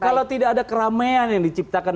kalau tidak ada keramaian yang diciptakan